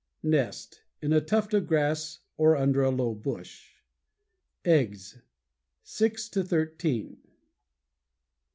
NEST In a tuft of grass or under a low bush. EGGS Six to thirteen.